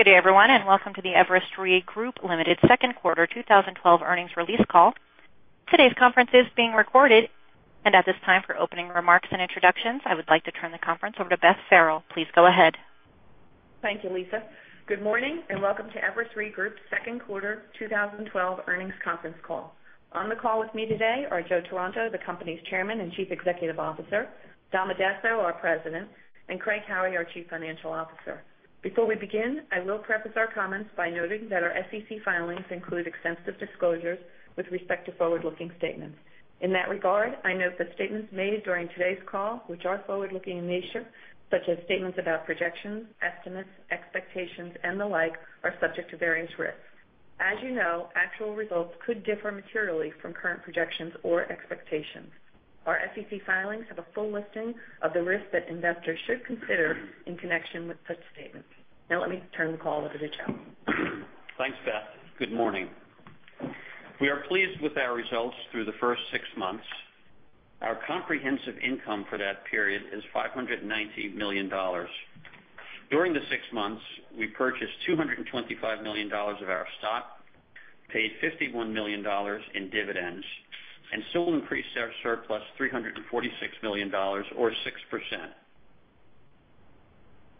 Good day everyone, welcome to the Everest Re Group, Ltd. second quarter 2012 earnings release call. Today's conference is being recorded. At this time, for opening remarks and introductions, I would like to turn the conference over to Beth Farrell. Please go ahead. Thank you, Lisa. Good morning, welcome to Everest Re Group second quarter 2012 earnings conference call. On the call with me today are Joe Taranto, the company's Chairman and Chief Executive Officer, Dom Addesso, our President, and Craig Howie, our Chief Financial Officer. Before we begin, I will preface our comments by noting that our SEC filings include extensive disclosures with respect to forward-looking statements. In that regard, I note that statements made during today's call, which are forward-looking in nature, such as statements about projections, estimates, expectations, and the like, are subject to various risks. As you know, actual results could differ materially from current projections or expectations. Our SEC filings have a full listing of the risks that investors should consider in connection with such statements. Let me turn the call over to Joe. Thanks, Beth. Good morning. We are pleased with our results through the first six months. Our comprehensive income for that period is $590 million. During the six months, we purchased $225 million of our stock, paid $51 million in dividends, and still increased our surplus $346 million or 6%.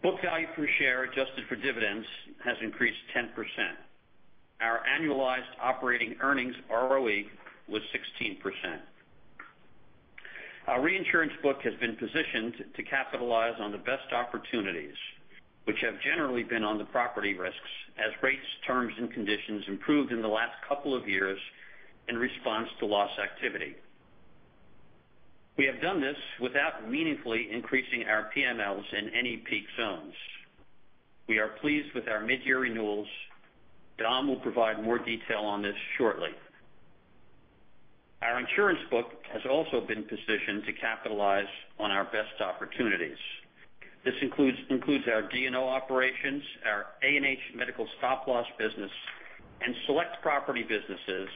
Book value per share adjusted for dividends has increased 10%. Our annualized operating earnings ROE was 16%. Our reinsurance book has been positioned to capitalize on the best opportunities, which have generally been on the property risks as rates, terms, and conditions improved in the last couple of years in response to loss activity. We have done this without meaningfully increasing our PMLs in any peak zones. We are pleased with our mid-year renewals. Dom will provide more detail on this shortly. Our insurance book has also been positioned to capitalize on our best opportunities. This includes our D&O operations, our A&H medical stop-loss business, and select property businesses,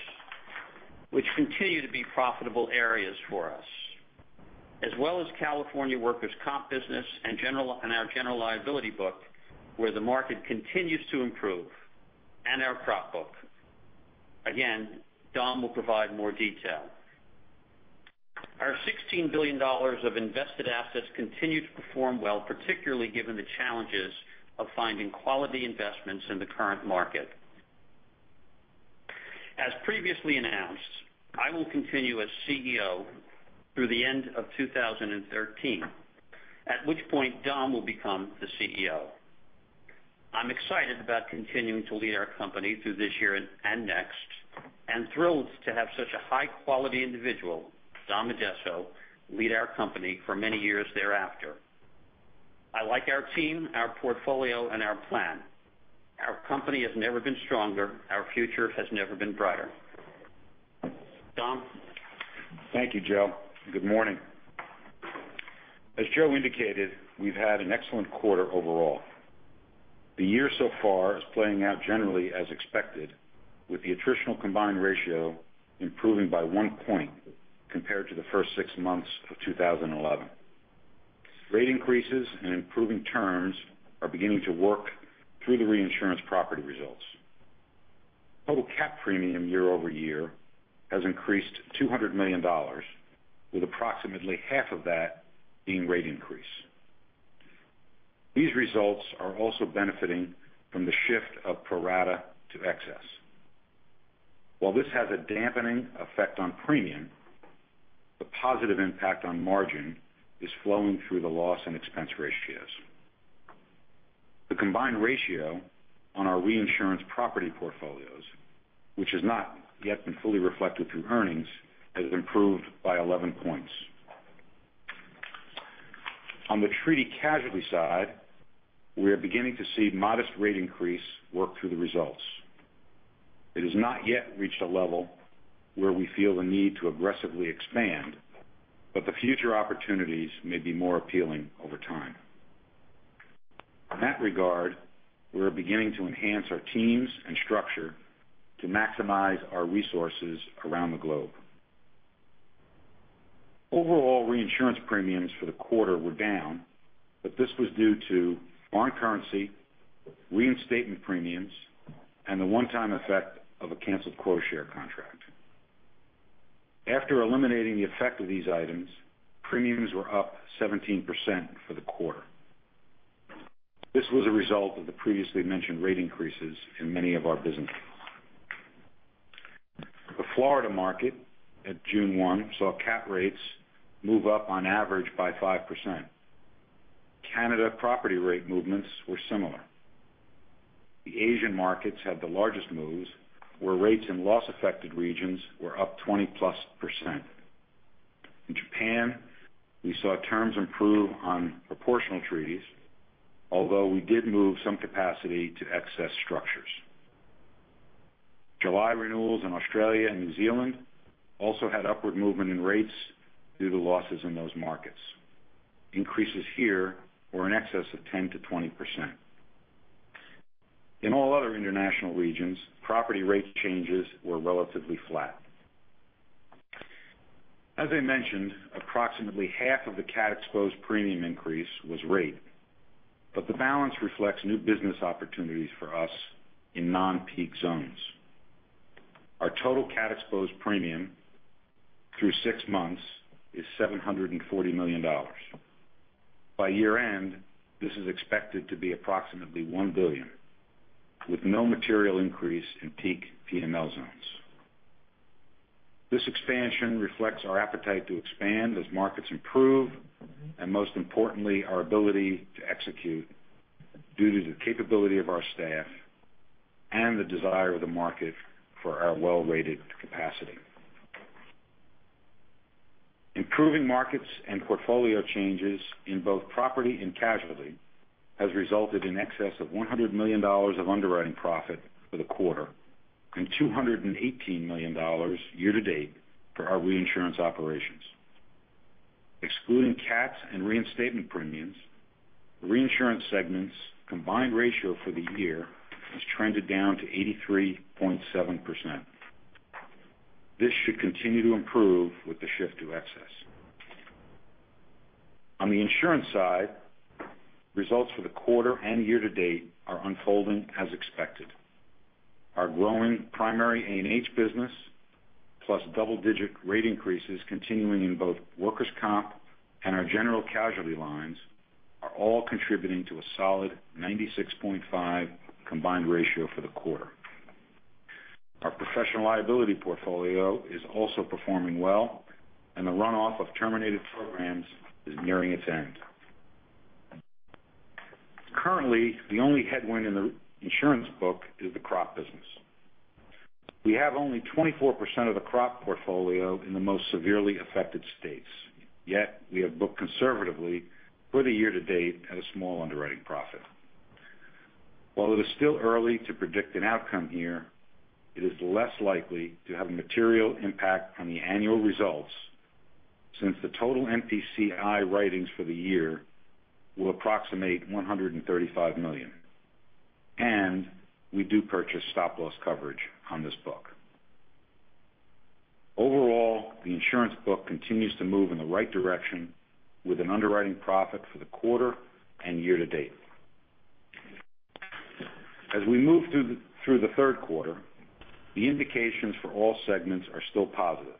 which continue to be profitable areas for us. As well as California workers' comp business and our general liability book, where the market continues to improve, and our crop book. Again, Dom will provide more detail. Our $16 billion of invested assets continue to perform well, particularly given the challenges of finding quality investments in the current market. As previously announced, I will continue as CEO through the end of 2013, at which point Dom will become the CEO. I'm excited about continuing to lead our company through this year and next, and thrilled to have such a high-quality individual, Dom Addesso, lead our company for many years thereafter. I like our team, our portfolio, and our plan. Our company has never been stronger. Our future has never been brighter. Dom? Thank you, Joe. Good morning. As Joe indicated, we've had an excellent quarter overall. The year-over-year so far is playing out generally as expected, with the attritional combined ratio improving by one point compared to the first six months of 2011. Rate increases and improving terms are beginning to work through the reinsurance property results. Total cat premium year-over-year has increased $200 million, with approximately half of that being rate increase. These results are also benefiting from the shift of pro-rata to excess. While this has a dampening effect on premium, the positive impact on margin is flowing through the loss and expense ratios. The combined ratio on our reinsurance property portfolios, which has not yet been fully reflected through earnings, has improved by 11 points. On the treaty casualty side, we are beginning to see modest rate increase work through the results. It has not yet reached a level where we feel the need to aggressively expand, but the future opportunities may be more appealing over time. In that regard, we are beginning to enhance our teams and structure to maximize our resources around the globe. Overall reinsurance premiums for the quarter were down, but this was due to foreign currency, reinstatement premiums, and the one-time effect of a canceled quota share contract. After eliminating the effect of these items, premiums were up 17% for the quarter. This was a result of the previously mentioned rate increases in many of our businesses. The Florida market at June one saw cat rates move up on average by 5%. Canada property rate movements were similar. The Asian markets had the largest moves, where rates in loss-affected regions were up 20-plus%. In Japan, we saw terms improve on proportional treaties, although we did move some capacity to excess structures. July renewals in Australia and New Zealand also had upward movement in rates due to losses in those markets. Increases here were in excess of 10%-20%. In all other international regions, property rate changes were relatively flat. As I mentioned, approximately half of the cat exposed premium increase was rate, but the balance reflects new business opportunities for us in non-peak zones. Our total cat exposed premium through six months is $740 million. By year-end, this is expected to be approximately $1 billion, with no material increase in peak PML zones. This expansion reflects our appetite to expand as markets improve, and most importantly, our ability to execute due to the capability of our staff and the desire of the market for our well-rated capacity. Improving markets and portfolio changes in both property and casualty has resulted in excess of $100 million of underwriting profit for the quarter, and $218 million year-to-date for our reinsurance operations. Excluding cats and reinstatement premiums, the reinsurance segment's combined ratio for the year has trended down to 83.7%. This should continue to improve with the shift to excess. On the insurance side, results for the quarter and year-to-date are unfolding as expected. Our growing primary A&H business, plus double-digit rate increases continuing in both workers' compensation and our general casualty lines are all contributing to a solid 96.5 combined ratio for the quarter. Our professional liability portfolio is also performing well, and the runoff of terminated programs is nearing its end. Currently, the only headwind in the insurance book is the crop business. We have only 24% of the crop portfolio in the most severely affected states, yet we have booked conservatively for the year-to-date at a small underwriting profit. While it is still early to predict an outcome here, it is less likely to have a material impact on the annual results since the total MPCI writings for the year will approximate $135 million, and we do purchase stop-loss coverage on this book. Overall, the insurance book continues to move in the right direction with an underwriting profit for the quarter and year-to-date. As we move through the third quarter, the indications for all segments are still positive.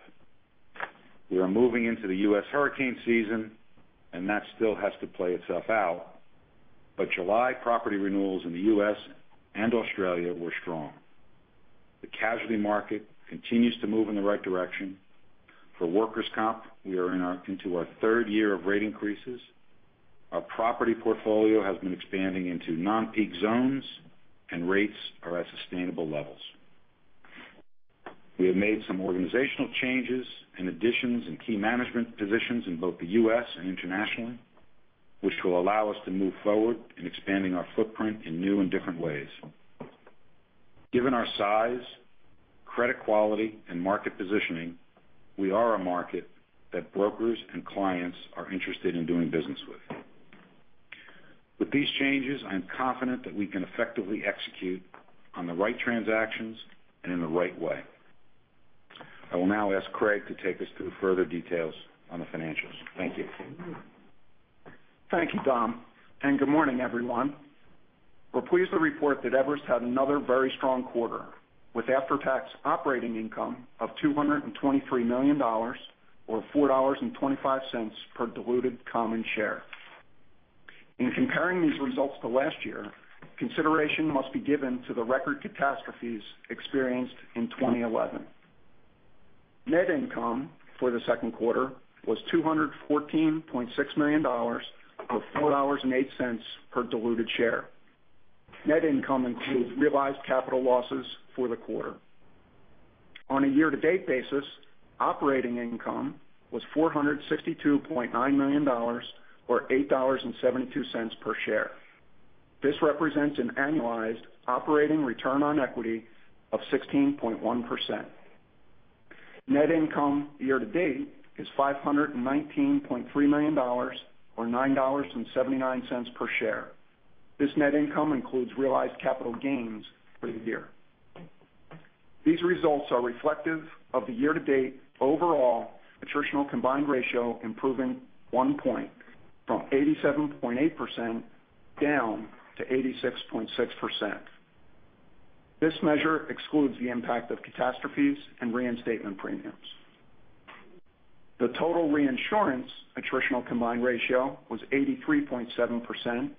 That still has to play itself out, but July property renewals in the U.S. and Australia were strong. The casualty market continues to move in the right direction. For workers' compensation, we are into our third year of rate increases. Our property portfolio has been expanding into non-peak zones, and rates are at sustainable levels. We have made some organizational changes and additions in key management positions in both the U.S. and internationally, which will allow us to move forward in expanding our footprint in new and different ways. Given our size, credit quality and market positioning, we are a market that brokers and clients are interested in doing business with. With these changes, I am confident that we can effectively execute on the right transactions and in the right way. I will now ask Craig to take us through further details on the financials. Thank you. Thank you, Dom, and good morning, everyone. We're pleased to report that Everest had another very strong quarter, with after-tax operating income of $223 million, or $4.25 per diluted common share. In comparing these results to last year, consideration must be given to the record catastrophes experienced in 2011. Net income for the second quarter was $214.6 million, or $4.08 per diluted share. Net income includes realized capital losses for the quarter. On a year-to-date basis, operating income was $462.9 million, or $8.72 per share. This represents an annualized operating return on equity of 16.1%. Net income year-to-date is $519.3 million, or $9.79 per share. This net income includes realized capital gains for the year. These results are reflective of the year-to-date overall attritional combined ratio improving one point from 87.8% down to 86.6%. This measure excludes the impact of catastrophes and reinstatement premiums. The total reinsurance attritional combined ratio was 83.7%,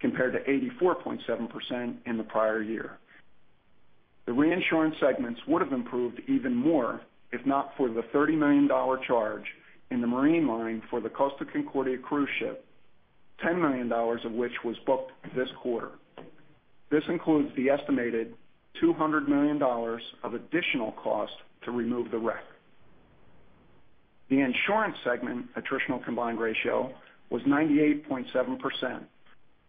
compared to 84.7% in the prior year. The reinsurance segments would have improved even more if not for the $30 million charge in the marine line for the Costa Concordia cruise ship, $10 million of which was booked this quarter. This includes the estimated $200 million of additional cost to remove the wreck. The insurance segment attritional combined ratio was 98.7%,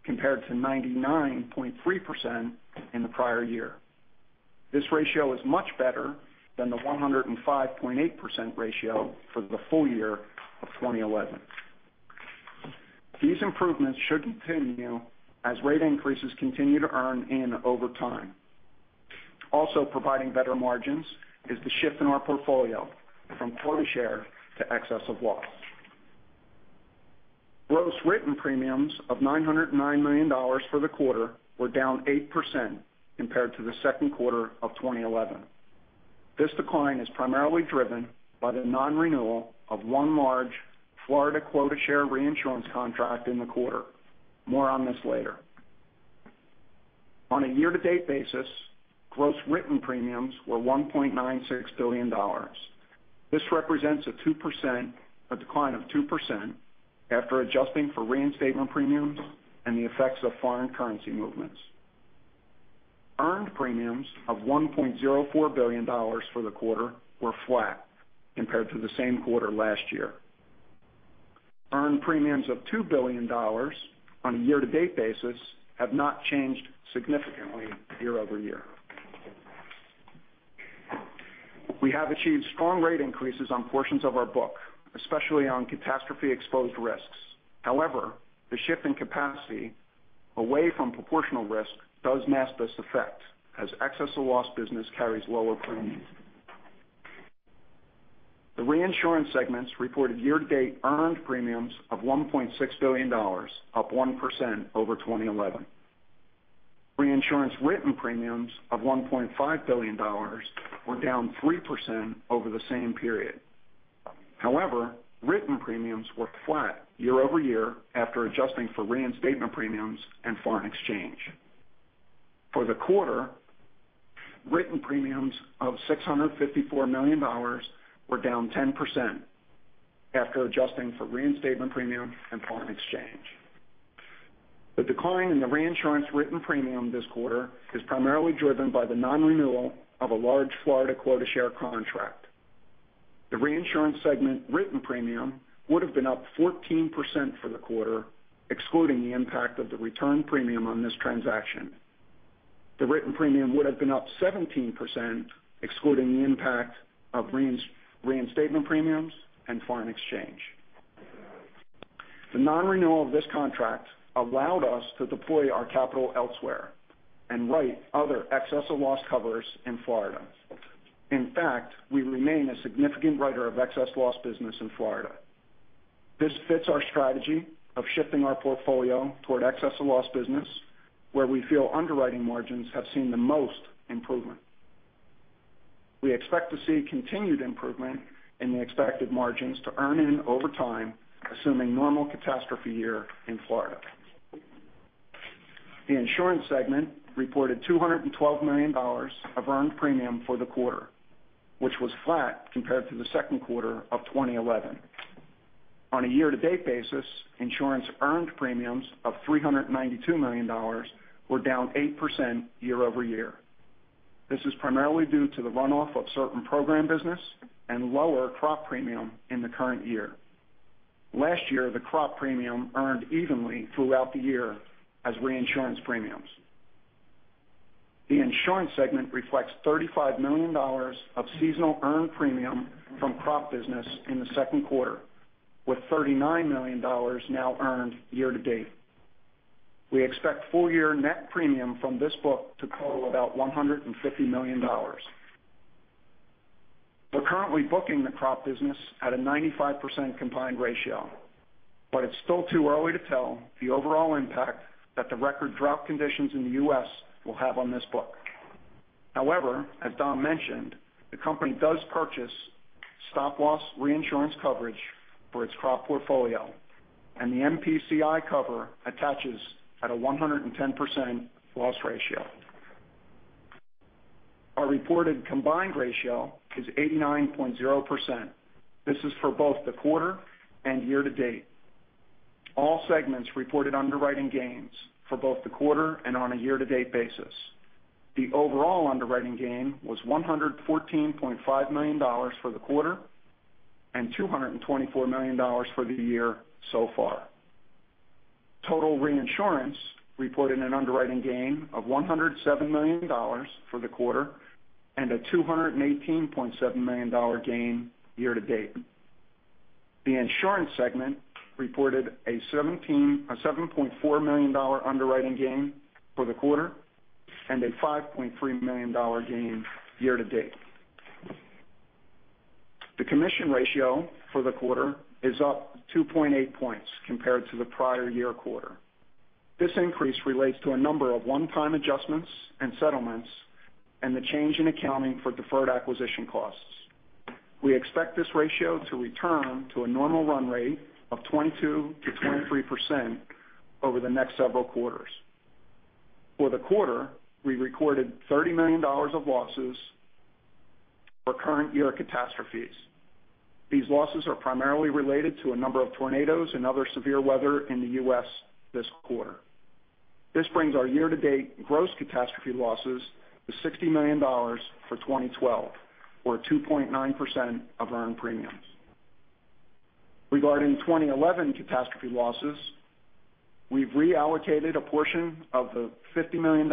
compared to 99.3% in the prior year. This ratio is much better than the 105.8% ratio for the full year of 2011. These improvements should continue as rate increases continue to earn in over time. Also providing better margins is the shift in our portfolio from quota share to excess of loss. Gross written premiums of $909 million for the quarter were down 8% compared to the second quarter of 2011. This decline is primarily driven by the non-renewal of one large Florida quota share reinsurance contract in the quarter. More on this later. On a year-to-date basis, gross written premiums were $1.96 billion. This represents a decline of 2% after adjusting for reinstatement premiums and the effects of foreign currency movements. Earned premiums of $1.04 billion for the quarter were flat compared to the same quarter last year. Earned premiums of $2 billion on a year-to-date basis have not changed significantly year-over-year. We have achieved strong rate increases on portions of our book, especially on catastrophe-exposed risks. However, the shift in capacity away from proportional risk does mask this effect, as excess of loss business carries lower premiums. The reinsurance segments reported year-to-date earned premiums of $1.6 billion, up 1% over 2011. Reinsurance written premiums of $1.5 billion were down 3% over the same period. Written premiums were flat year-over-year after adjusting for reinstatement premiums and foreign exchange. For the quarter, written premiums of $654 million were down 10% after adjusting for reinstatement premium and foreign exchange. The decline in the reinsurance written premium this quarter is primarily driven by the non-renewal of a large Florida quota share contract. The reinsurance segment written premium would have been up 14% for the quarter, excluding the impact of the return premium on this transaction. The written premium would have been up 17%, excluding the impact of reinstatement premiums and foreign exchange. The non-renewal of this contract allowed us to deploy our capital elsewhere and write other excess of loss covers in Florida. In fact, we remain a significant writer of excess of loss business in Florida. This fits our strategy of shifting our portfolio toward excess of loss business, where we feel underwriting margins have seen the most improvement. We expect to see continued improvement in the expected margins to earn in over time, assuming normal catastrophe year in Florida. The insurance segment reported $212 million of earned premium for the quarter, which was flat compared to the second quarter of 2011. On a year-to-date basis, insurance earned premiums of $392 million were down 8% year-over-year. This is primarily due to the runoff of certain program business and lower crop premium in the current year. Last year, the crop premium earned evenly throughout the year as reinsurance premiums. The insurance segment reflects $35 million of seasonal earned premium from crop business in the second quarter, with $39 million now earned year-to-date. We expect full-year net premium from this book to total about $150 million. We're currently booking the crop business at a 95% combined ratio, but it's still too early to tell the overall impact that the record drought conditions in the U.S. will have on this book. As Dom mentioned, the company does purchase stop-loss reinsurance coverage for its crop portfolio, and the MPCI cover attaches at a 110% loss ratio. Our reported combined ratio is 89.0%. This is for both the quarter and year-to-date. All segments reported underwriting gains for both the quarter and on a year-to-date basis. The overall underwriting gain was $114.5 million for the quarter and $224 million for the year so far. Total reinsurance reported an underwriting gain of $107 million for the quarter and a $218.7 million gain year-to-date. The insurance segment reported a $7.4 million underwriting gain for the quarter and a $5.3 million gain year to date. The commission ratio for the quarter is up 2.8 points compared to the prior year quarter. This increase relates to a number of one-time adjustments and settlements and the change in accounting for deferred acquisition costs. We expect this ratio to return to a normal run rate of 22%-23% over the next several quarters. For the quarter, we recorded $30 million of losses for current-year catastrophes. These losses are primarily related to a number of tornadoes and other severe weather in the U.S. this quarter. This brings our year-to-date gross catastrophe losses to $60 million for 2012 or 2.9% of earned premiums. Regarding 2011 catastrophe losses We've reallocated a portion of the $50 million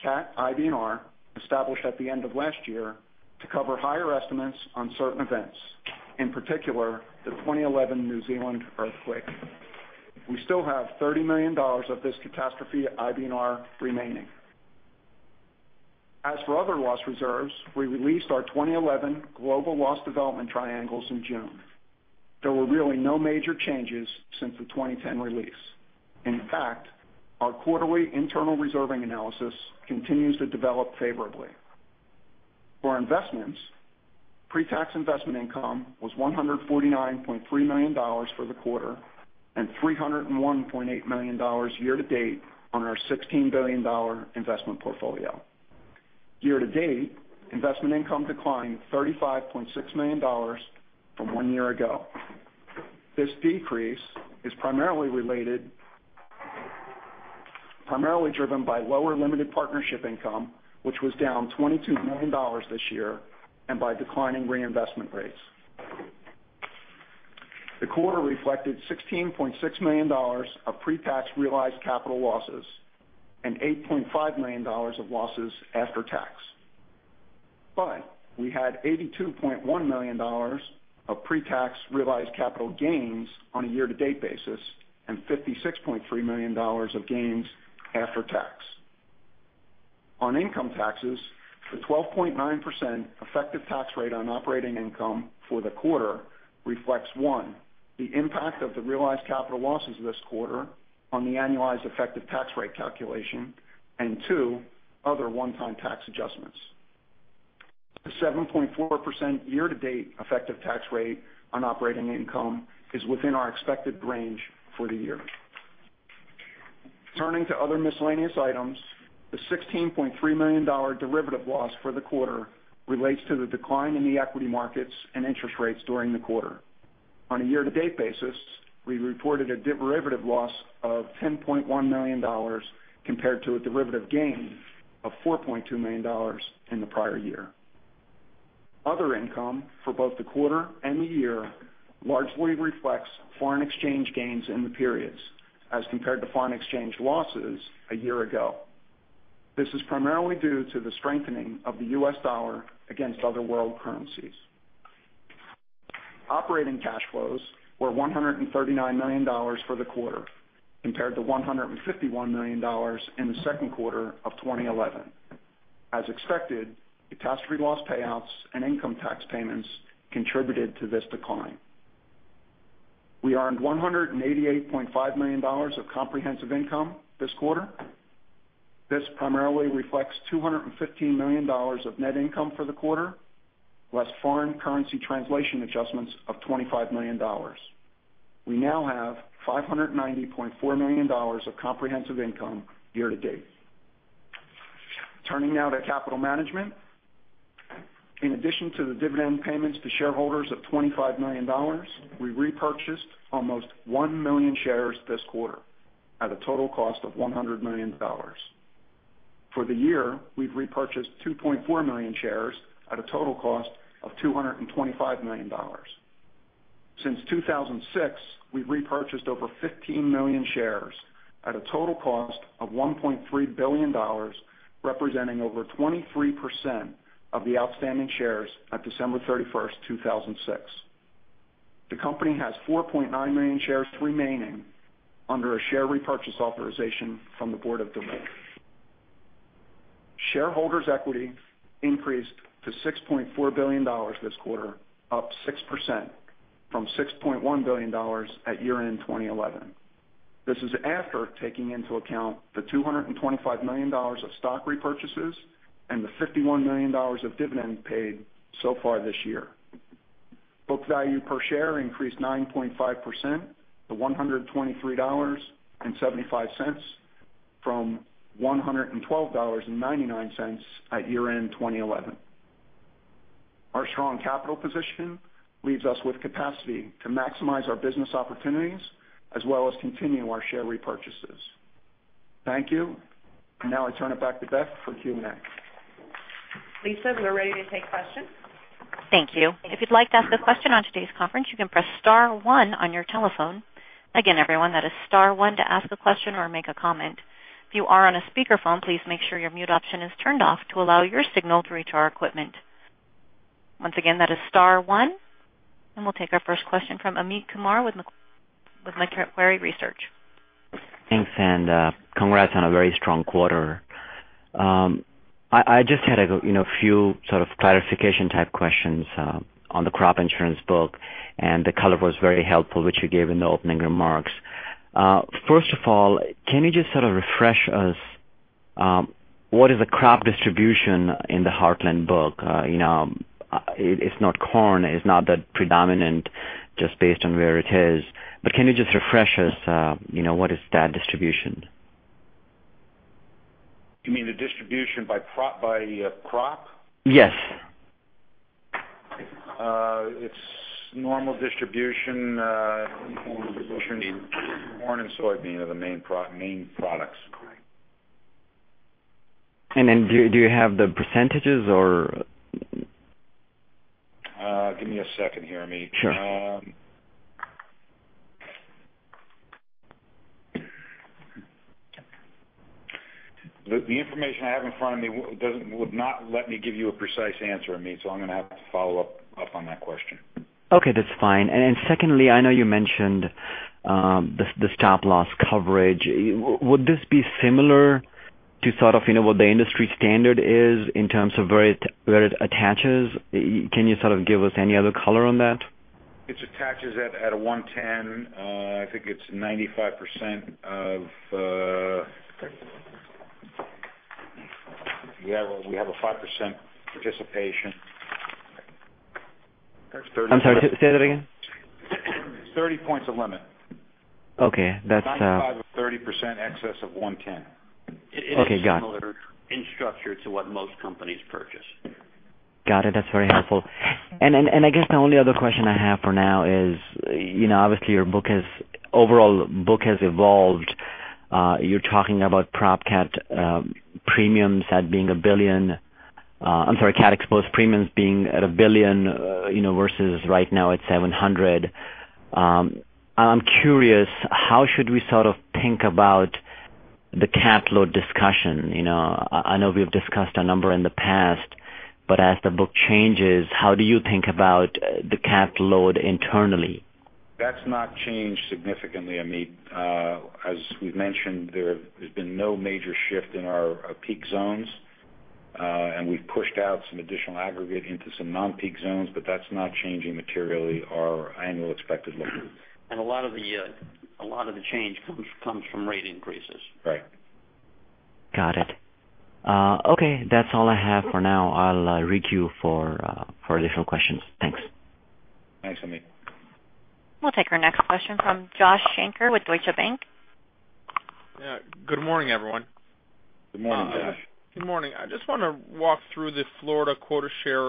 cat IBNR established at the end of last year to cover higher estimates on certain events, in particular, the 2011 New Zealand earthquake. We still have $30 million of this catastrophe IBNR remaining. As for other loss reserves, we released our 2011 global loss development triangles in June. There were really no major changes since the 2010 release. In fact, our quarterly internal reserving analysis continues to develop favorably. For investments, pre-tax investment income was $149.3 million for the quarter and $301.8 million year to date on our $16 billion investment portfolio. Year to date, investment income declined $35.6 million from one year ago. This decrease is primarily driven by lower limited partnership income, which was down $22 million this year, and by declining reinvestment rates. We had $82.1 million of pre-tax realized capital gains on a year-to-date basis and $56.3 million of gains after tax. On income taxes, the 12.9% effective tax rate on operating income for the quarter reflects, one, the impact of the realized capital losses this quarter on the annualized effective tax rate calculation, and two, other one-time tax adjustments. The 7.4% year-to-date effective tax rate on operating income is within our expected range for the year. Turning to other miscellaneous items, the $16.3 million derivative loss for the quarter relates to the decline in the equity markets and interest rates during the quarter. On a year-to-date basis, we reported a derivative loss of $10.1 million compared to a derivative gain of $4.2 million in the prior year. Other income for both the quarter and the year largely reflects foreign exchange gains in the periods as compared to foreign exchange losses a year ago. This is primarily due to the strengthening of the U.S. dollar against other world currencies. Operating cash flows were $139 million for the quarter, compared to $151 million in the second quarter of 2011. As expected, catastrophe loss payouts and income tax payments contributed to this decline. We earned $188.5 million of comprehensive income this quarter. This primarily reflects $215 million of net income for the quarter, less foreign currency translation adjustments of $25 million. We now have $590.4 million of comprehensive income year to date. Turning now to capital management. In addition to the dividend payments to shareholders of $25 million, we repurchased almost 1 million shares this quarter at a total cost of $100 million. For the year, we've repurchased 2.4 million shares at a total cost of $225 million. Since 2006, we've repurchased over 15 million shares at a total cost of $1.3 billion, representing over 23% of the outstanding shares on December 31st, 2006. The company has 4.9 million shares remaining under a share repurchase authorization from the board of directors. Shareholders' equity increased to $6.4 billion this quarter, up 6% from $6.1 billion at year-end 2011. This is after taking into account the $225 million of stock repurchases and the $51 million of dividends paid so far this year. Book value per share increased 9.5% to $123.75 from $112.99 at year-end 2011. Our strong capital position leaves us with capacity to maximize our business opportunities as well as continue our share repurchases. Thank you. Now I turn it back to Beth for Q&A. Lisa, we're ready to take questions. Thank you. If you'd like to ask a question on today's conference, you can press star one on your telephone. Again, everyone, that is star one to ask a question or make a comment. If you are on a speakerphone, please make sure your mute option is turned off to allow your signal to reach our equipment. Once again, that is star one. We'll take our first question from Amit Kumar with Macquarie Research. Thanks, and congrats on a very strong quarter. I just had a few sort of clarification type questions on the crop insurance book. The color was very helpful, which you gave in the opening remarks. First of all, can you just sort of refresh us, what is the crop distribution in the Heartland book? It's not corn, it's not that predominant just based on where it is. Can you just refresh us, what is that distribution? You mean the distribution by crop? Yes. It's normal distribution. Corn and soybean are the main products. Do you have the percentages? Give me a second here, Amit. Sure. The information I have in front of me would not let me give you a precise answer, Amit. I'm going to have to follow up on that question. Okay, that's fine. Secondly, I know you mentioned the stop-loss coverage. Would this be similar to what the industry standard is in terms of where it attaches? Can you give us any other color on that? It attaches at a 110. I think it's 95% of, we have a 5% participation. I'm sorry, say that again. 30 points of limit. Okay. 30% excess of 110. Okay, got it. It is similar in structure to what most companies purchase. Got it. That's very helpful. I guess the only other question I have for now is, obviously your overall book has evolved. You're talking about cat-exposed premiums being at $1 billion, versus right now it's $700 million. I'm curious, how should we think about the cat load discussion? I know we've discussed a number in the past, as the book changes, how do you think about the cat load internally? That's not changed significantly, Amit. As we've mentioned, there's been no major shift in our peak zones, and we've pushed out some additional aggregate into some non-peak zones, but that's not changing materially our annual expected load. A lot of the change comes from rate increases. Right. Got it. Okay, that's all I have for now. I'll re-queue for additional questions. Thanks. Thanks, Amit. We'll take our next question from Josh Shanker with Deutsche Bank. Good morning, everyone. Good morning, Josh. Good morning. I just want to walk through the Florida quota share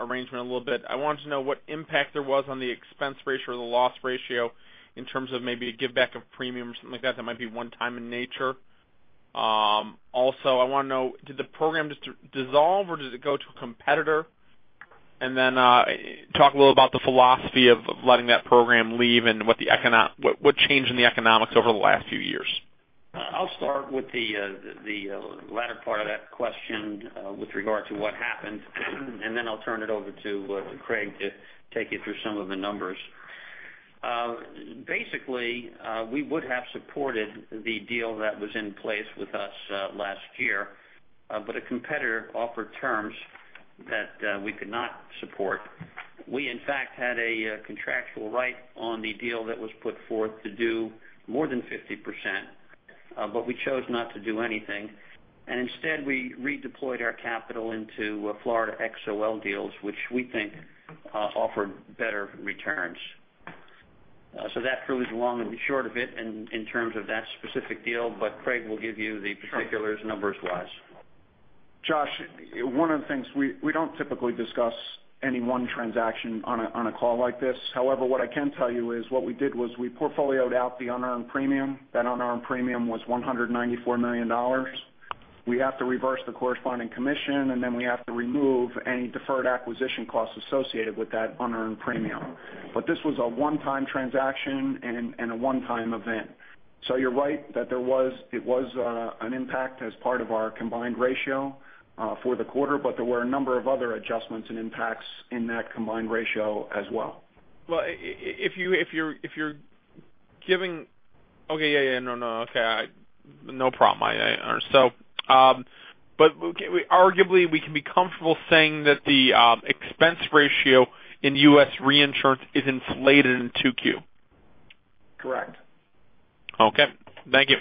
arrangement a little bit. I wanted to know what impact there was on the expense ratio or the loss ratio in terms of maybe a give back of premium or something like that might be one time in nature. I want to know, did the program just dissolve or did it go to a competitor? Talk a little about the philosophy of letting that program leave and what changed in the economics over the last few years? I'll start with the latter part of that question with regard to what happened. I'll turn it over to Craig to take you through some of the numbers. Basically, we would have supported the deal that was in place with us last year. A competitor offered terms that we could not support. We, in fact, had a contractual right on the deal that was put forth to do more than 50%. We chose not to do anything. Instead, we redeployed our capital into Florida XOL deals, which we think offered better returns. That really is the long and the short of it in terms of that specific deal. Craig will give you the particulars numbers-wise. Josh, one of the things, we don't typically discuss any one transaction on a call like this. However, what I can tell you is what we did was we portfolio-ed out the unearned premium. That unearned premium was $194 million. We have to reverse the corresponding commission. We have to remove any deferred acquisition costs associated with that unearned premium. This was a one-time transaction and a one-time event. You're right that it was an impact as part of our combined ratio for the quarter. There were a number of other adjustments and impacts in that combined ratio as well. Well, if you're giving Okay, yeah. No problem. Arguably, we can be comfortable saying that the expense ratio in US reinsurance is insulated in 2Q? Correct. Okay. Thank you.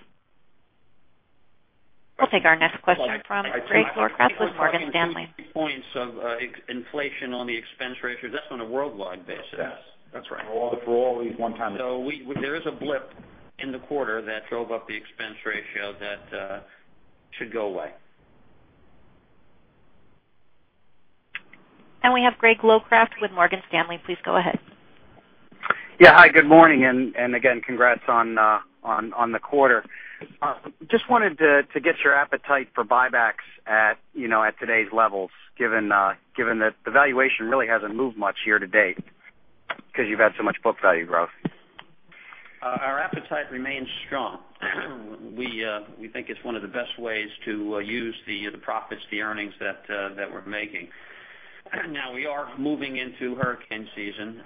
We'll take our next question from Greg Locraft with Morgan Stanley. Points of inflation on the expense ratio, that's on a worldwide basis. Yes. That's right. There is a blip in the quarter that drove up the expense ratio that should go away. We have Greg Locraft with Morgan Stanley. Please go ahead. Hi, good morning, and again, congrats on the quarter. Just wanted to get your appetite for buybacks at today's levels, given that the valuation really hasn't moved much year to date because you've had so much book value growth. Our appetite remains strong. We think it's one of the best ways to use the profits, the earnings that we're making. We are moving into hurricane season,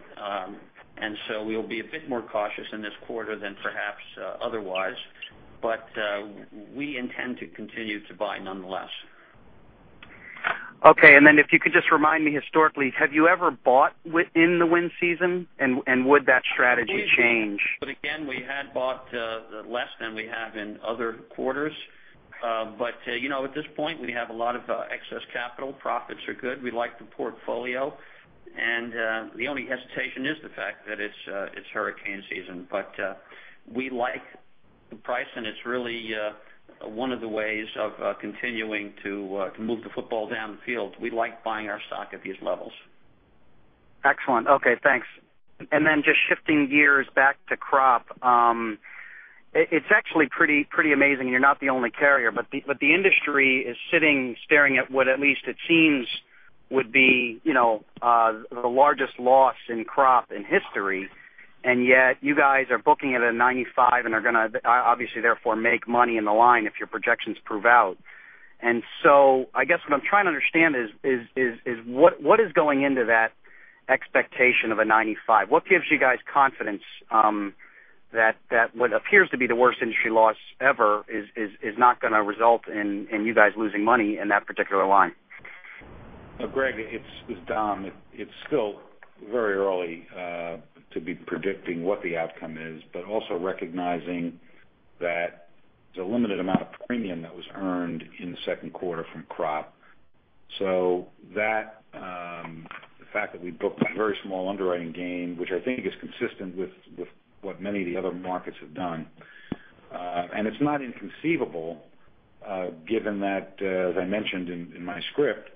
we'll be a bit more cautious in this quarter than perhaps otherwise. We intend to continue to buy nonetheless. Okay. If you could just remind me historically, have you ever bought within the wind season and would that strategy change? Again, we had bought less than we have in other quarters. At this point, we have a lot of excess capital. Profits are good. We like the portfolio. The only hesitation is the fact that it's hurricane season. We like the price, and it's really one of the ways of continuing to move the football down the field. We like buying our stock at these levels. Excellent. Okay, thanks. Just shifting gears back to crop. It's actually pretty amazing. You're not the only carrier, but the industry is sitting, staring at what at least it seems would be the largest loss in crop in history. Yet you guys are booking it at a 95 and are going to obviously therefore make money in the line if your projections prove out. I guess what I'm trying to understand is what is going into that expectation of a 95? What gives you guys confidence that what appears to be the worst industry loss ever is not going to result in you guys losing money in that particular line? Greg, it's Dom. It's still very early to be predicting what the outcome is, but also recognizing that there's a limited amount of premium that was earned in the second quarter from crop. The fact that we booked a very small underwriting gain, which I think is consistent with what many of the other markets have done. It's not inconceivable, given that, as I mentioned in my script,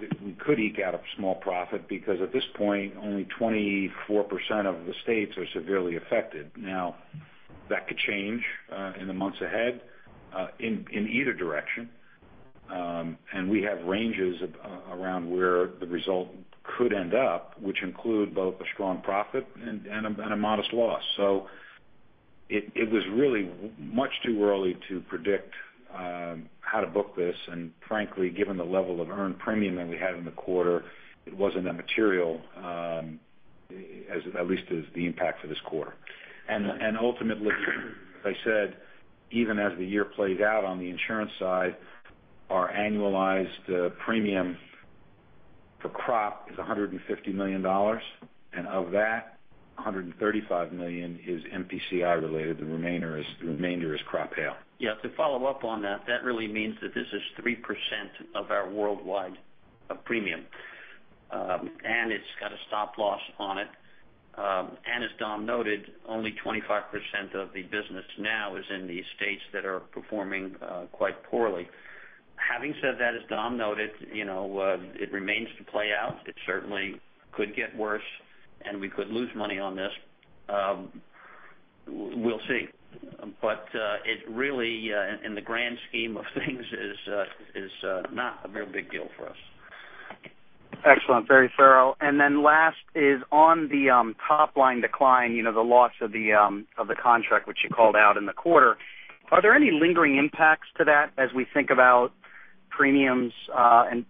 that we could eke out a small profit, because at this point, only 24% of the states are severely affected. That could change in the months ahead in either direction. We have ranges around where the result could end up, which include both a strong profit and a modest loss. It was really much too early to predict how to book this. Frankly, given the level of earned premium that we had in the quarter, it wasn't that material at least as the impact for this quarter. Ultimately, as I said, even as the year plays out on the insurance side, our annualized premium for crop is $150 million. Of that, $135 million is MPCI related. The remainder is crop hail. To follow up on that really means that this is 3% of our worldwide premium. It's got a stop loss on it. As Dom noted, only 25% of the business now is in the states that are performing quite poorly. Having said that, as Dom noted, it remains to play out. It certainly could get worse, and we could lose money on this. We'll see. It really, in the grand scheme of things, is not a very big deal for us. Excellent. Very thorough. Last is on the top-line decline, the loss of the contract which you called out in the quarter. Are there any lingering impacts to that as we think about premiums, and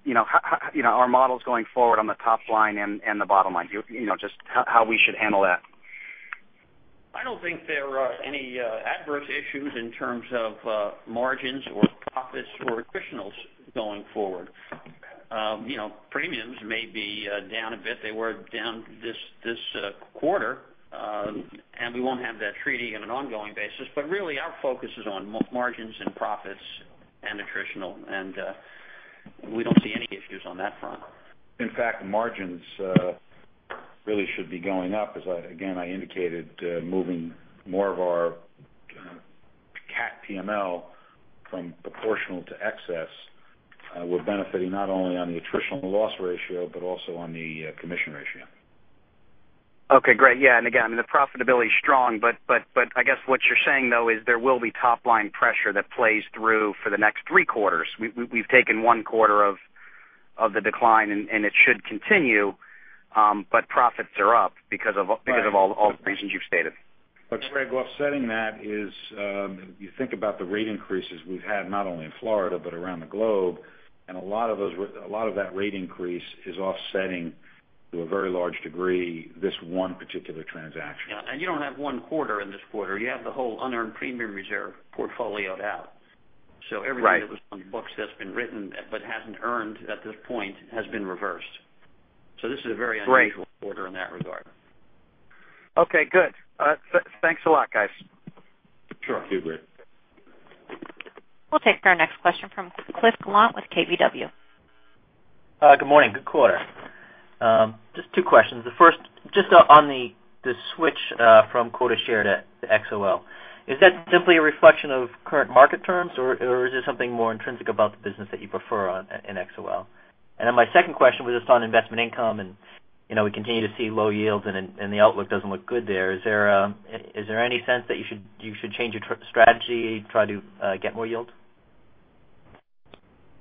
our models going forward on the top line and the bottom line, just how we should handle that? I don't think there are any adverse issues in terms of margins or profits or additionals going forward. Premiums may be down a bit. They were down this quarter. We won't have that treaty on an ongoing basis. Really our focus is on margins and profits and attritional, and we don't see any issues on that front. In fact, margins really should be going up as, again, I indicated, moving more of our cat PML from proportional to excess. We're benefiting not only on the attritional loss ratio, but also on the commission ratio. Okay, great. Yeah. Again, the profitability is strong, but I guess what you're saying though is there will be top-line pressure that plays through for the next three quarters. We've taken one quarter of the decline, it should continue, profits are up because of all the reasons you've stated. Greg, offsetting that is if you think about the rate increases we've had not only in Florida but around the globe, a lot of that rate increase is offsetting, to a very large degree, this one particular transaction. Yeah. You don't have one quarter in this quarter. You have the whole unearned premium reserve portfolioed out. Right. Everything that was on the books that has been written but has not earned at this point has been reversed. This is a very unusual- Great quarter in that regard. Okay, good. Thanks a lot, guys. Sure. Thank you, Greg. We'll take our next question from Cliff Gallant with KBW. Good morning. Good quarter. Just two questions. The first, just on the switch from quota share to XOL. Is that simply a reflection of current market terms, or is there something more intrinsic about the business that you prefer in XOL? My second question was just on investment income, and we continue to see low yields and the outlook doesn't look good there. Is there any sense that you should change your strategy, try to get more yield?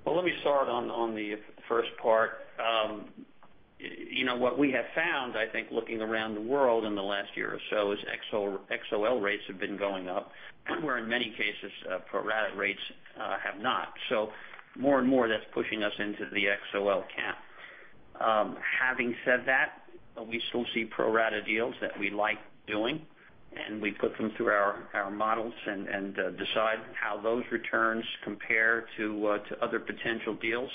Let me start on the first part. What we have found, I think, looking around the world in the last year or so is XOL rates have been going up where in many cases, pro-rata rates have not. More and more that's pushing us into the XOL camp. Having said that, we still see pro-rata deals that we like doing, and we put them through our models and decide how those returns compare to other potential deals.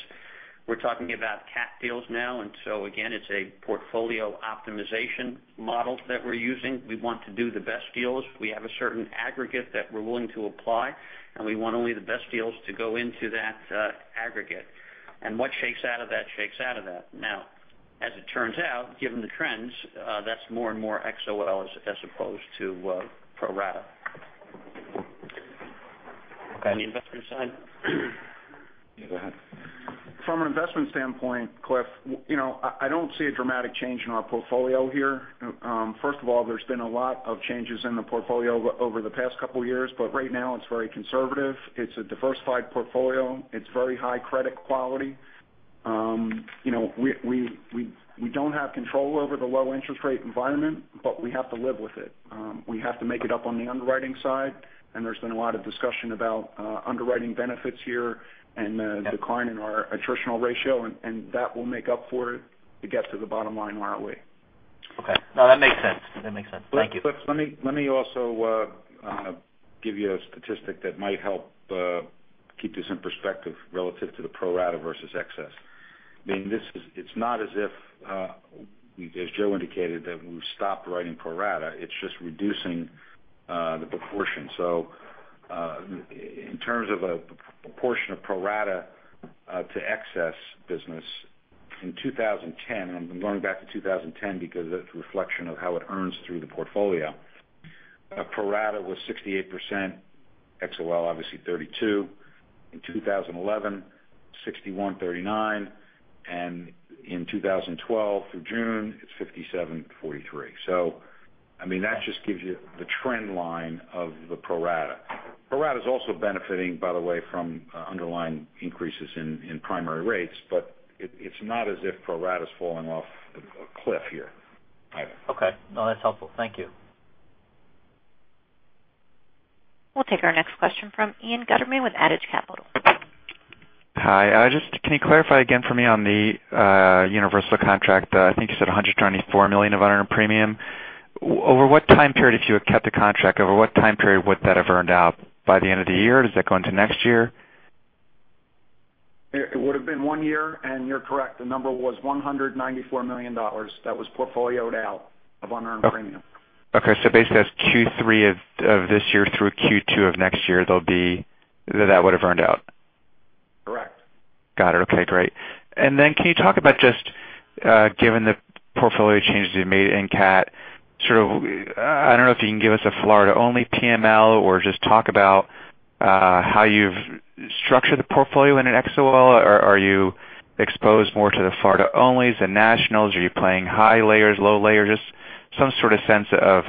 We're talking about cat deals now, again, it's a portfolio optimization model that we're using. We want to do the best deals. We have a certain aggregate that we're willing to apply, and we want only the best deals to go into that aggregate. What shakes out of that, shakes out of that. As it turns out, given the trends, that's more and more XOL as opposed to pro rata. On the investment side? Yeah, go ahead. From an investment standpoint, Cliff, I don't see a dramatic change in our portfolio here. First of all, there's been a lot of changes in the portfolio over the past couple of years, but right now it's very conservative. It's a diversified portfolio. It's very high credit quality. We don't have control over the low interest rate environment, but we have to live with it. We have to make it up on the underwriting side, and there's been a lot of discussion about underwriting benefits here and the decline in our attritional ratio, and that will make up for it to get to the bottom line one way. Okay. That makes sense. Thank you. Cliff, let me also give you a statistic that might help keep this in perspective relative to the pro-rata versus excess. As Joe indicated, that we've stopped writing pro-rata, it's just reducing the proportion. In terms of a proportion of pro-rata to excess business in 2010, and I'm going back to 2010 because it's a reflection of how it earns through the portfolio. Pro-rata was 68%, XOL obviously 32. In 2011, 61/39, and in 2012 through June, it's 57/43. That just gives you the trend line of the pro-rata. Pro-rata is also benefiting, by the way, from underlying increases in primary rates, it's not as if pro-rata is falling off a cliff here either. Okay. That's helpful. Thank you. We'll take our next question from Ian Gutterman with Adage Capital. Hi. Can you clarify again for me on the Universal contract? I think you said $194 million of unearned premium. If you had kept the contract, over what time period would that have earned out, by the end of the year? Does that go into next year? It would have been one year, you're correct, the number was $194 million. That was portfolio-ed out of unearned premium. Okay. Basically that's Q3 of this year through Q2 of next year, that would have earned out. Correct. Got it. Okay, great. Then can you talk about just given the portfolio changes you made in CAT, sort of, I don't know if you can give us a Florida only PML or just talk about how you've structured the portfolio in an XOL? Are you exposed more to the Florida onlys, the nationals? Are you playing high layers, low layers? Just some sort of sense of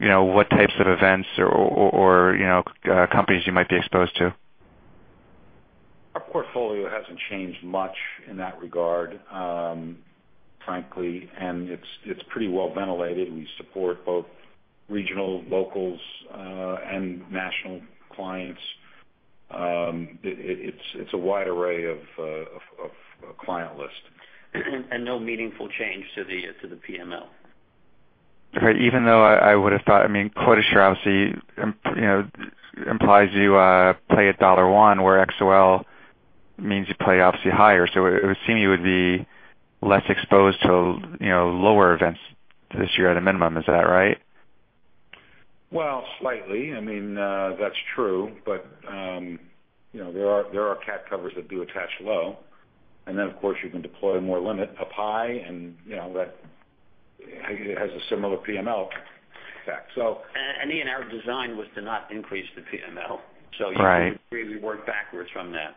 what types of events or companies you might be exposed to. Our portfolio hasn't changed much in that regard, frankly, it's pretty well ventilated. We support both regional, locals, and national clients. It's a wide array of client list. No meaningful change to the PML. Okay. Even though I would have thought, quota share obviously implies you play at dollar one, where XOL means you play obviously higher. It would seem you would be less exposed to lower events this year at a minimum. Is that right? Well, slightly. That's true. There are CAT covers that do attach low. Of course you can deploy more limit up high, and that has a similar PML effect. Ian, our design was to not increase the PML. Right. You really work backwards from that.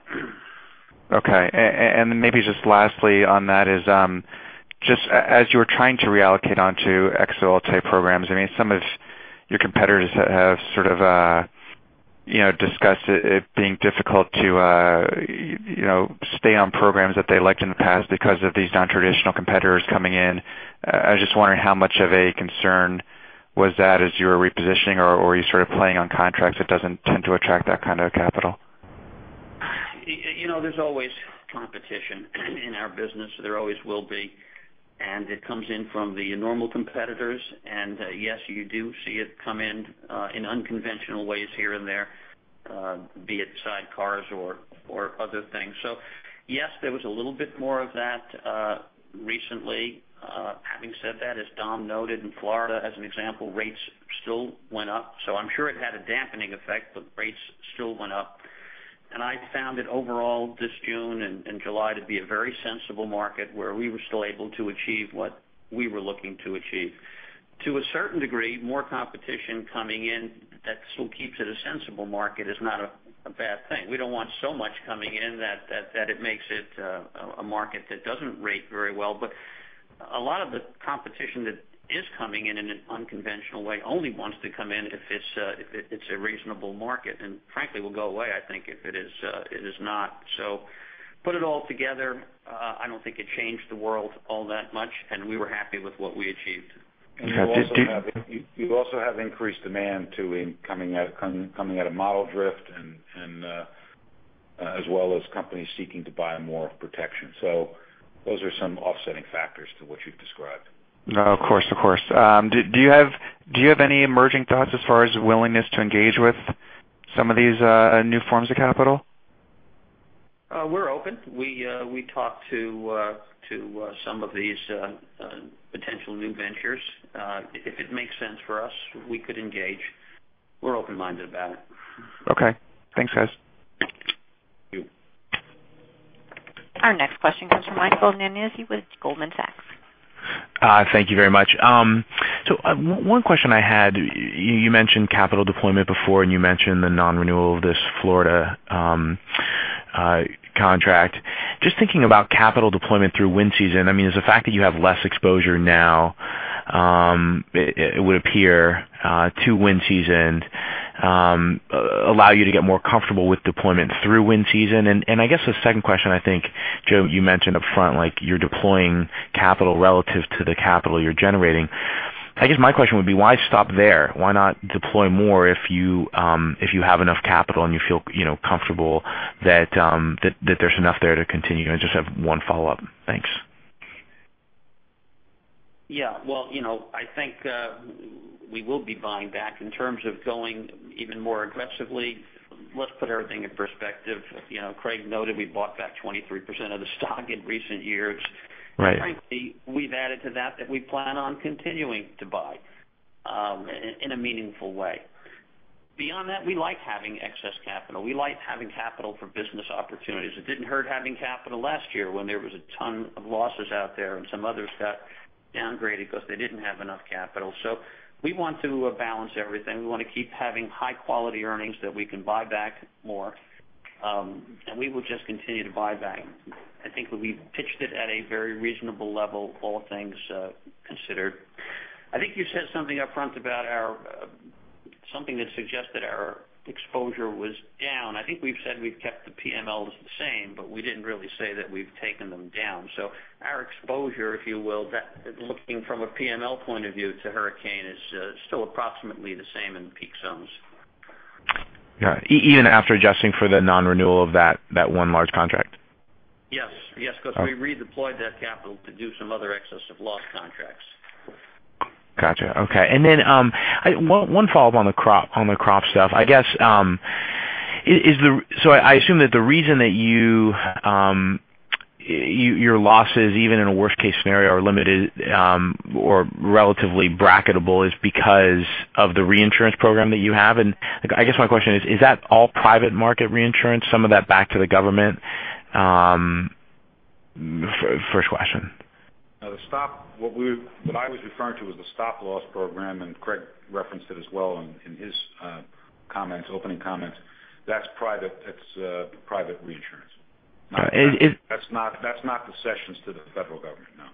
Maybe just lastly on that is, just as you are trying to reallocate onto XOL type programs, some of your competitors have sort of discussed it being difficult to stay on programs that they liked in the past because of these non-traditional competitors coming in. I was just wondering how much of a concern was that as you were repositioning, or are you sort of playing on contracts that doesn't tend to attract that kind of capital? There's always competition in our business. There always will be, and it comes in from the normal competitors, and yes, you do see it come in unconventional ways here and there, be it sidecars or other things. Yes, there was a little bit more of that recently. Having said that, as Dom noted in Florida as an example, rates still went up. I'm sure it had a dampening effect, but rates still went up. I found that overall this June and July to be a very sensible market where we were still able to achieve what we were looking to achieve. To a certain degree, more competition coming in that still keeps it a sensible market is not a bad thing. We don't want so much coming in that it makes it a market that doesn't rate very well. A lot of the competition that is coming in in an unconventional way only wants to come in if it's a reasonable market, and frankly will go away, I think, if it is not. Put it all together, I don't think it changed the world all that much, and we were happy with what we achieved. You have this too? You also have increased demand too coming out of model drift as well as companies seeking to buy more protection. Those are some offsetting factors to what you've described. No, of course. Do you have any emerging thoughts as far as willingness to engage with some of these new forms of capital? We're open. We talk to some of these potential new ventures. If it makes sense for us, we could engage. We're open-minded about it. Okay. Thanks, guys. Thank you. Our next question comes from Michael Nannizzi with Goldman Sachs. Thank you very much. One question I had, you mentioned capital deployment before, and you mentioned the non-renewal of this Florida contract. Just thinking about capital deployment through wind season, does the fact that you have less exposure now, it would appear, to wind season allow you to get more comfortable with deployment through wind season? I guess the second question, I think, Joe, you mentioned upfront, you're deploying capital relative to the capital you're generating. I guess my question would be why stop there? Why not deploy more if you have enough capital and you feel comfortable that there's enough there to continue? I just have one follow-up. Thanks. Well, I think we will be buying back. In terms of going even more aggressively, let's put everything in perspective. Craig noted we bought back 23% of the stock in recent years. Right. Frankly, we've added to that we plan on continuing to buy in a meaningful way. Beyond that, we like having excess capital. We like having capital for business opportunities. It didn't hurt having capital last year when there was a ton of losses out there, and some others got downgraded because they didn't have enough capital. We want to balance everything. We want to keep having high-quality earnings that we can buy back more. We will just continue to buy back. I think we've pitched it at a very reasonable level, all things considered. I think you said something upfront about something that suggested our exposure was down. I think we've said we've kept the PMLs the same, but we didn't really say that we've taken them down. Our exposure, if you will, looking from a PML point of view to hurricane, is still approximately the same in the peak zones. Got it. Even after adjusting for the non-renewal of that one large contract? Yes. Because we redeployed that capital to do some other excess of loss contracts. Got you. Okay. One follow-up on the crop stuff. I assume that the reason that your losses, even in a worst-case scenario, are limited or relatively bracketable is because of the reinsurance program that you have. I guess my question is that all private market reinsurance, some of that back to the government? First question. What I was referring to was the stop-loss program, and Craig referenced it as well in his opening comments. That's private reinsurance. Is- That's not the cessions to the federal government, no.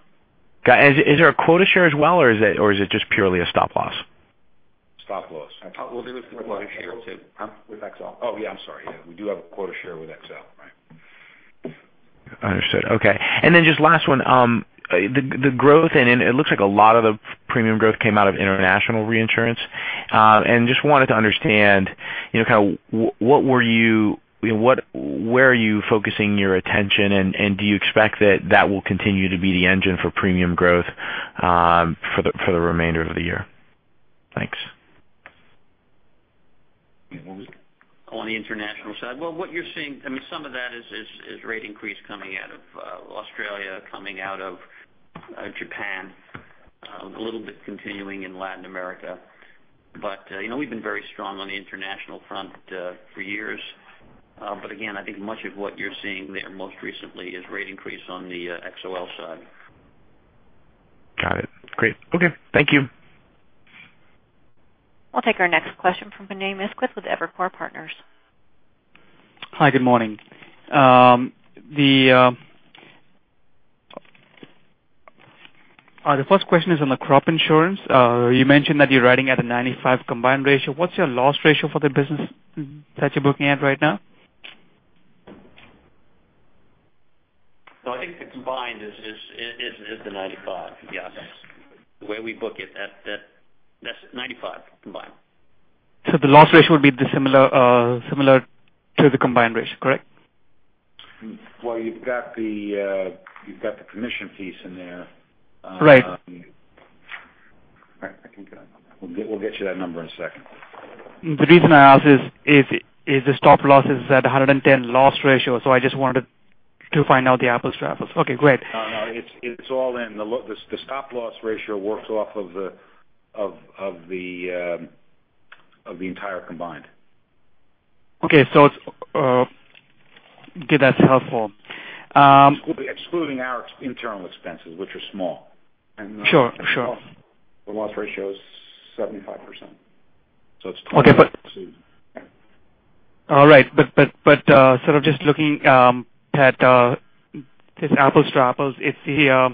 Got it. Is there a quota share as well, or is it just purely a stop-loss? Stop-loss. We'll do it with quota share too. Huh? With XL. Oh, yeah, I'm sorry. Yeah. We do have a quota share with XL, right. Understood. Okay. Then just last one. The growth in it looks like a lot of the premium growth came out of international reinsurance. Just wanted to understand where are you focusing your attention, and do you expect that will continue to be the engine for premium growth for the remainder of the year? Thanks. On the international side? Well, what you're seeing, some of that is rate increase coming out of Australia, coming out of Japan, a little bit continuing in Latin America. We've been very strong on the international front for years. Again, I think much of what you're seeing there most recently is rate increase on the XOL side. Got it. Great. Okay. Thank you. We'll take our next question from Vinay Misquith with Evercore Partners. Hi, good morning. The first question is on the crop insurance. You mentioned that you're riding at a 95 combined ratio. What's your loss ratio for the business that you're looking at right now? I think the combined is the 95. Yeah. That's the way we book it. That's 95 combined. The loss ratio would be similar to the combined ratio, correct? You've got the commission piece in there. Right. We'll get you that number in a second. The reason I ask is the stop-loss is at 110 loss ratio, so I just wanted to find out the apples to apples. Okay, great. No, it's all in. The stop-loss ratio works off of the entire combined. Okay. That's helpful. Excluding our internal expenses, which are small. Sure. The loss ratio is 75%. Okay. All right. Sort of just looking at this apples to apples, if the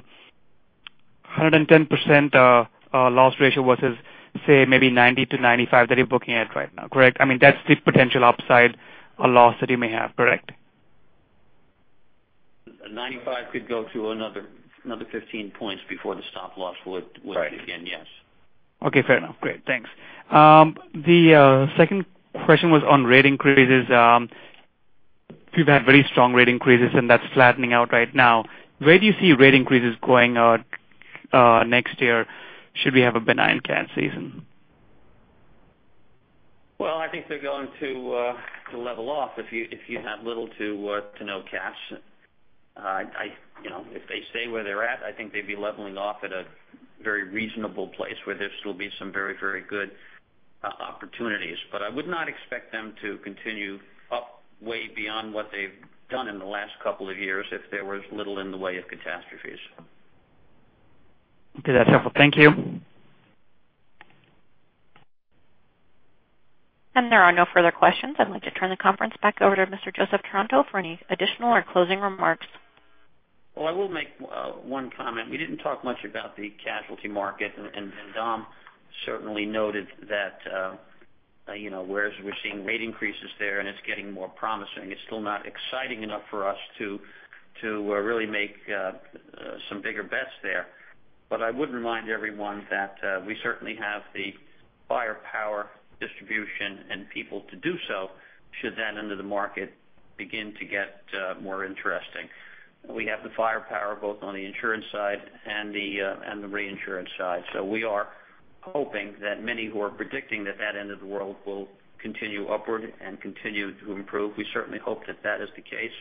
110% loss ratio versus, say, maybe 90%-95% that you're booking at right now, correct? I mean, that's the potential upside or loss that you may have, correct? 95 could go to another 15 points before the stop loss would- Right. Begin, yes. Okay, fair enough. Great. Thanks. The second question was on rate increases. You've had very strong rate increases, and that's flattening out right now. Where do you see rate increases going next year should we have a benign cat season? I think they're going to level off if you have little to no cats. If they stay where they're at, I think they'd be leveling off at a very reasonable place where there still be some very good opportunities. I would not expect them to continue up way beyond what they've done in the last couple of years if there was little in the way of catastrophes. Okay, that's helpful. Thank you. There are no further questions. I'd like to turn the conference back over to Mr. Joseph Taranto for any additional or closing remarks. I will make one comment. We didn't talk much about the casualty market, and Dom certainly noted that whereas we're seeing rate increases there and it's getting more promising, it's still not exciting enough for us to really make some bigger bets there. I would remind everyone that we certainly have the firepower, distribution, and people to do so should that end of the market begin to get more interesting. We have the firepower both on the insurance side and the reinsurance side. We are hoping that many who are predicting that that end of the world will continue upward and continue to improve. We certainly hope that that is the case.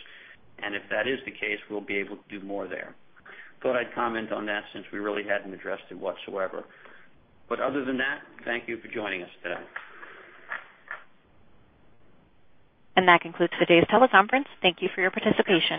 If that is the case, we'll be able to do more there. Thought I'd comment on that since we really hadn't addressed it whatsoever. Other than that, thank you for joining us today. That concludes today's teleconference. Thank you for your participation.